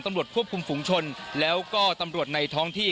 ตำรวจควบคุมฝุงชนแล้วก็ตำรวจในท้องที่